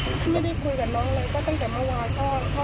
ไม่เป็นไรน้องมากแล้วก็